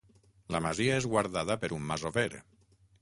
La masia és guardada per un masover.